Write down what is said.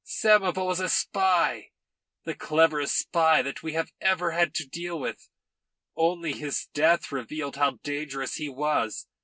Samoval was a spy the cleverest spy that we have ever had to deal with. Only his death revealed how dangerous he was.